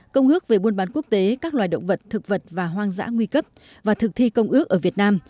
công ước về buôn bán quốc tế các loài động vật thực vật và hoang dã nguy cấp và thực thi công ước ở việt nam